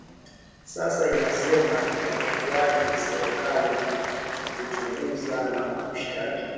sasa inaseme itakuwaje serikali kuchunguza na kushtaki